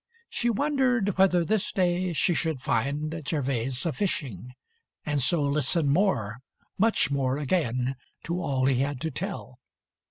She wondered whether this day she should find Gervase a fishing, and so listen more, Much more again, to all he had to tell.